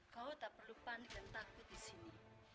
kau tak perlu panik dan takut di sini